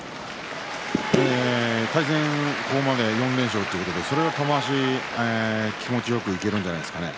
ここまで４連勝ということで玉鷲は気持ちよくいけるんじゃないですかね？